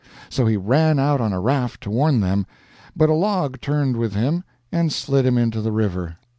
So he ran out on a raft to warn them, but a log turned with him and slid him into the river.